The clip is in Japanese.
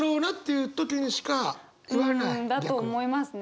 うんだと思いますね。